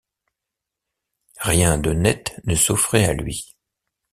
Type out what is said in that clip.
Rien de net ne s’offrait à lui.